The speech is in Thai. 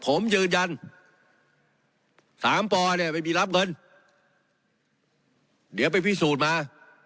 ผมยืนยันสามปอเนี่ยไม่มีรับเงินเดี๋ยวไปพิสูจน์มา